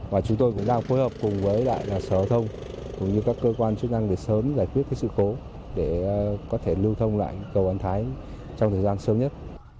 và chúng tôi cũng đang phối hợp cùng với lại sở hữu thông cũng như các cơ quan chức năng để sớm giải quyết sự cố để có thể lưu thông lại cầu an thái trong thời gian sớm nhất